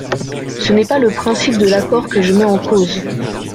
Ce n’est pas le principe de l’accord que je mets en cause.